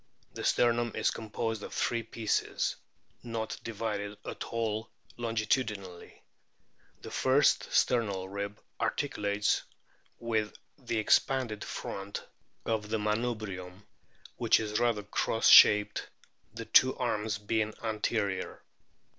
The sternum is composed of three pieces, not divided at all longitudinally. The first sternal rib articulates with the expanded front of the manubrium, which is rather cross shaped, the two arms beino anterior.